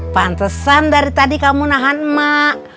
pantesan dari tadi kamu nahan emak